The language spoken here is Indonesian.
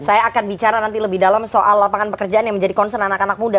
saya akan bicara nanti lebih dalam soal lapangan pekerjaan yang menjadi concern anak anak muda